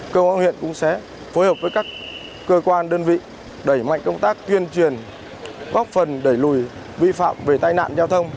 công an huyện cũng sẽ phối hợp với các cơ quan đơn vị đẩy mạnh công tác tuyên truyền góp phần đẩy lùi vi phạm về tai nạn giao thông